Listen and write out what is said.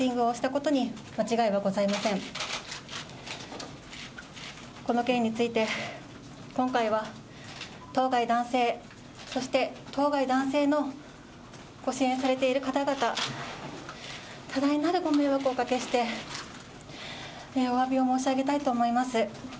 この件について、今回は当該男性、そして当該男性のご支援されている方々、多大なるご迷惑をおかけして、おわびを申し上げたいと思います。